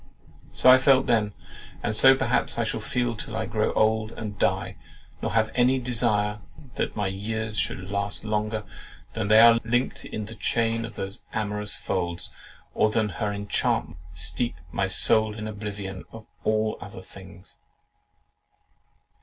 So I felt then, and so perhaps shall feel till I grow old and die, nor have any desire that my years should last longer than they are linked in the chain of those amorous folds, or than her enchantments steep my soul in oblivion of all other things!